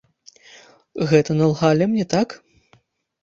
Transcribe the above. Гэта налгалі мне, так?